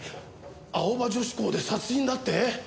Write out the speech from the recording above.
青葉女子校で殺人だって？